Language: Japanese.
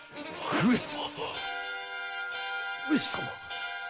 上様！？